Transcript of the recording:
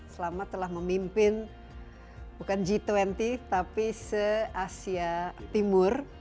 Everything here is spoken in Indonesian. selamat telah memimpin bukan g dua puluh tapi se asia timur